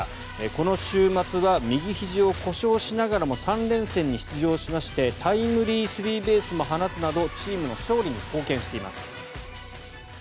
この週末は右ひじを故障しながらも３連戦に出場しましてタイムリースリーベースも放つなどチームの勝利に貢献しています。